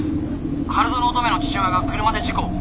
「春薗乙女の父親が車で事故を」